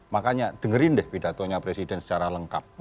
makanya dengerin deh pidatonya presiden secara lengkap